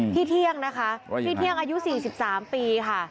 พี่เที่ยงนะคะพี่เที่ยงอายุสี่สิบสามปีค่ะ